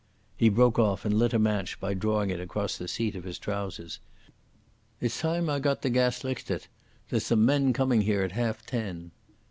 '...." He broke off and lit a match by drawing it across the seat of his trousers. "It's time I got the gas lichtit. There's some men coming here at half ten."